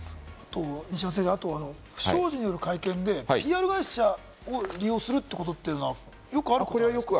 西山先生、不祥事による会見でＰＲ会社を利用するということというのはよくあることですか？